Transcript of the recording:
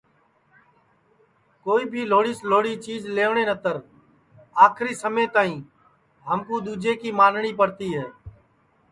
کوئی بھی لہوڑی سے لہوڑی چیج لئیوٹؔے نتر آکری سما تک ہمکُو دؔوجے کی مانٹؔی پڑتی ہے